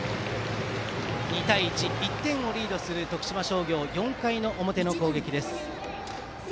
２対１、１点リードする徳島商業４回の表の攻撃です。